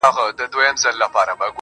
نن داخبره درلېږمه تاته_